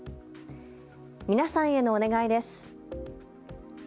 皆さんへのお願いです。